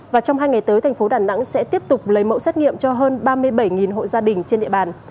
và trong hai ngày tới thành phố đà nẵng sẽ tiếp tục lấy mẫu xét nghiệm cho hơn ba mươi bảy hộ gia đình trên địa bàn